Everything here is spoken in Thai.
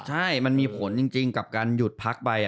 ใช่มันมีผลจริงกับการหยุดพักไป